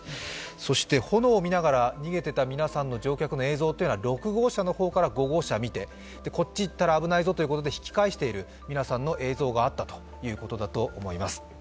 そして炎を見ながら逃げていた乗客の皆さんの映像は６号車の方から５号車を見てこっち行ったら危ないぞということで引き返している皆さんの映像があったということだと思います。